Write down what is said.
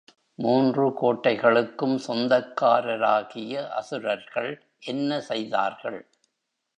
மூன்று கோட்டைகளுக்கும் சொந்தக்காரராகிய அசுரர்கள் என்ன செய்தார்கள்?